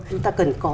chúng ta cần có